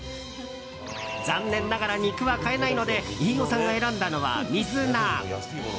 残念ながら肉は買えないので飯尾さんが選んだのは水菜。